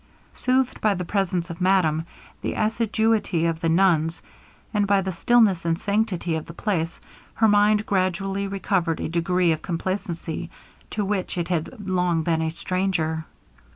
Soothed by the presence of madame, the assiduity of the nuns, and by the stillness and sanctity of the place, her mind gradually recovered a degree of complacency to which it had long been a stranger.